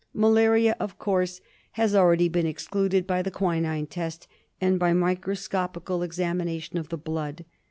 Malaria, of course, has already been excluded by the quinine test and by microscopical examination of the blood.